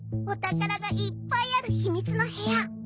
お宝がいっぱいある秘密の部屋。